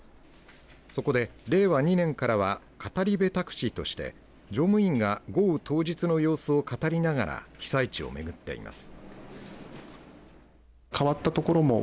そこで令和２年からは語り部タクシーとして乗務員が豪雨当日の様子を語りながら被災地を巡っています。